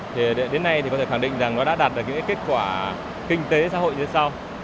thì đến nay thì có thể khẳng định rằng nó đã đạt được những kết quả kinh tế xã hội như sau